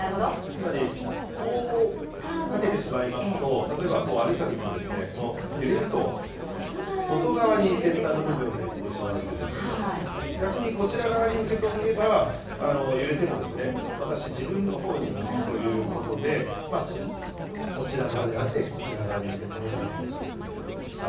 つまり、こうかけてしまうと、例えば歩いたときに揺れると外側に先端の部分がいってしまうということ、逆にこちら側に向けておけば、揺れても、私、自分のほうに向くということで、こちら側ではなくてこちら側に向けたほうが望ましいということでした。